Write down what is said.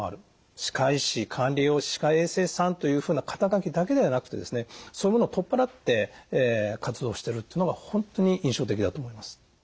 歯科医師管理栄養士歯科衛生士さんというふうな肩書きだけではなくてですねそういうものを取っ払って活動してるっていうのが本当に印象的だと思います。